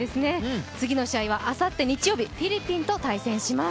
次の試合はあさって日曜日、フィリピンと対戦します。